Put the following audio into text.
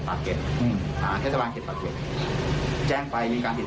ผมคนจะทำไงเราก็เลยเจอคียันทิว